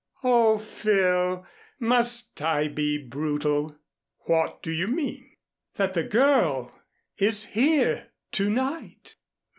"Oh, Phil! Must I be brutal?" "What do you mean?" "That the girl is here to night."